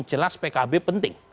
jelas pkb penting